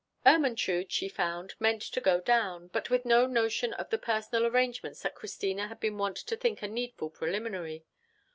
Ermentrude, she found, meant to go down, but with no notion of the personal arrangements that Christina had been wont to think a needful preliminary.